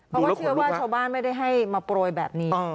เพราะว่าเชื่อว่าชาวบ้านไม่ได้ให้มาโปรยแบบนี้